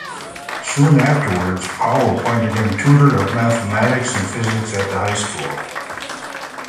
Soon afterwards, Powell appointed him tutor of Mathematics and Physics at the High School.